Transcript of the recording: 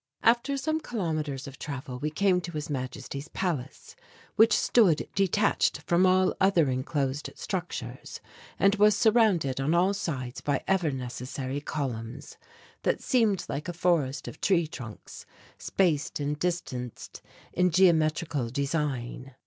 After some kilometres of travel we came to His Majesty's palace, which stood detached from all other enclosed structures and was surrounded on all sides by ever necessary columns that seemed like a forest of tree trunks spaced and distanced in geometrical design.